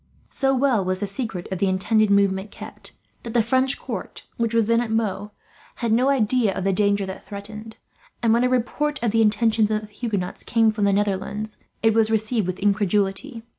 So well was the secret of the intended movement kept that the French court, which was at Meaux, had no idea of the danger that threatened; and when a report of the intentions of the Huguenots came from the Netherlands, it was received with incredulity.